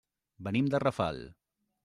Venim de Rafal.